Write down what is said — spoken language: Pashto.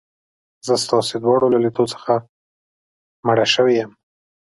زه ستاسي دواړو له لیدو څخه مړه شوې یم.